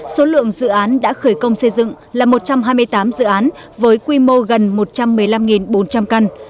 số lượng dự án đã khởi công xây dựng là một trăm hai mươi tám dự án với quy mô gần một trăm một mươi năm bốn trăm linh căn